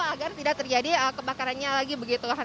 agar tidak terjadi kebakarannya lagi begitu